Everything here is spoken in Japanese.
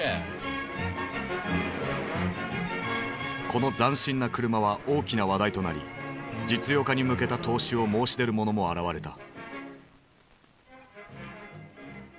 この斬新な車は大きな話題となり実用化に向けた投資を申し出る者も現れた。